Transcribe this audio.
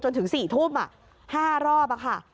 ถึง๔ทุ่ม๕รอบค่ะ